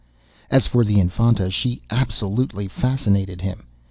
As for the Infanta, she absolutely fascinated him.